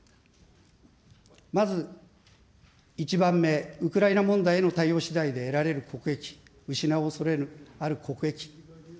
まず、１番目、ウクライナ問題の対応しだいで得られる国益、失うおそれのある国益。